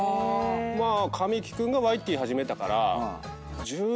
まあ神木君がワイって言い始めたから。